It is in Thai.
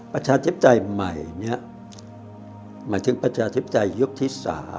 ประชาธิปไตยใหม่นี้หมายถึงประชาธิปไตยยุคที่๓